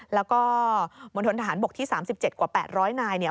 แล้วก็มวลทนทหารบกที่๓๗กว่า๘๐๐นาย